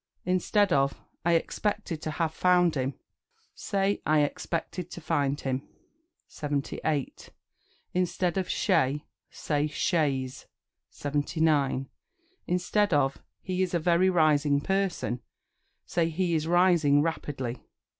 Instead of "I expected to have found him," say "I expected to find him." 78. Instead of "Shay," say "Chaise." 79. Instead of "He is a very rising person," say "He is rising rapidly."